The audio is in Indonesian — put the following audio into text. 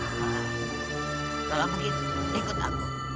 kalau begitu ikut aku